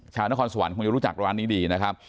ชาวนครสวรรคคงจะรู้จักร้านนี้ดีนะครับ